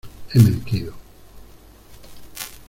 he mentido